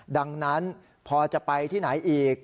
ดังนั้นพอจะไปที่ไหนอีก